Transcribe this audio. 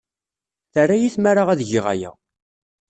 Terra-iyi tmara ad geɣ aya.